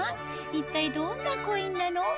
一体どんなコインなの？